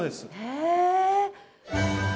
へえ。